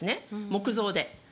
木造で。